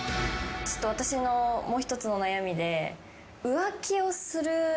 私のもう１つの悩みで。